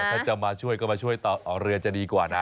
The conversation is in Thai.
ถ้าจะมาช่วยก็มาช่วยต่อเรือจะดีกว่านะ